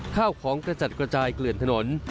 ข้าวของกระจัดกระจายเกลื่อนถนน